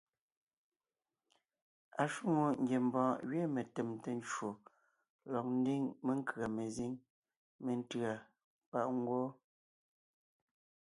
Ashwòŋo ngiembɔɔn gẅiin metèmte ncwò lɔg ńdiŋ menkʉ̀a mezíŋ métʉ̂a páʼ ngwɔ́.